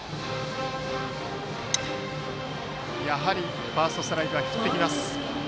やはりファーストストライクは切ってきます。